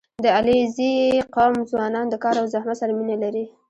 • د علیزي قوم ځوانان د کار او زحمت سره مینه لري.